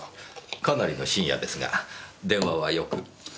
かなりの深夜ですが電話はよく？